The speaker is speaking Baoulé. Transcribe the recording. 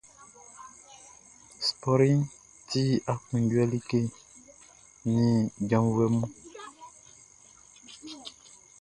Spɔriʼn ti aklunjuɛ like nin janvuɛ mun.